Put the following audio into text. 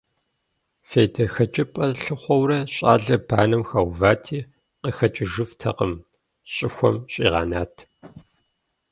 ФейдэхэкӀыпӀэ лъыхъуэурэ, щӀалэр банэм хэувати, къыхэкӀыжыфтэкъым, щӀыхуэм щӀигъэнат.